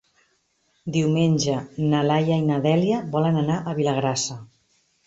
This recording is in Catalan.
Diumenge na Laia i na Dèlia volen anar a Vilagrassa.